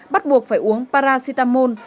bắt buộc phải uống paracetamol